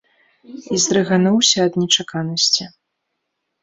І здрыгануўся ад нечаканасці.